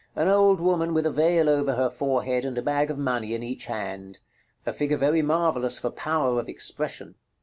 An old woman with a veil over her forehead, and a bag of money in each hand. A figure very marvellous for power of expression.